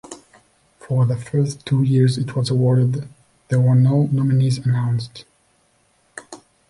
For the first two years it was awarded there were no nominees announced.